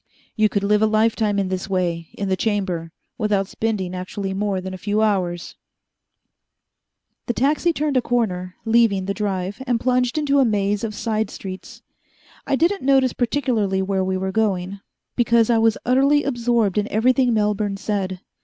You could live a lifetime in this way, in the Chamber, without spending actually more than a few hours." The taxi turned a corner, leaving the Drive, and plunged into a maze of side streets. I didn't notice particularly where we were going, because I was utterly absorbed in everything Melbourne said.